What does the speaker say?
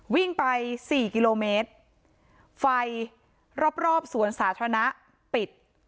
วิ่งไปสี่กิโลเมตรไฟรอบรอบสวนสาธารณะปิด